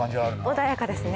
穏やかですね。